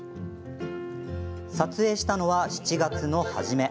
撮影したのは７月の初め。